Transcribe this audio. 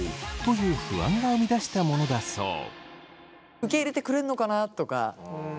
受け入れてくれるのかなとか。